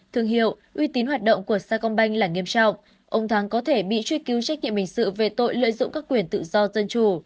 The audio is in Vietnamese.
thương hiệu uy tín hoạt động của sacombank là nghiêm trọng ông thắng có thể bị truy cứu trách nhiệm hình sự về tội lợi dụng các quyền tự do dân chủ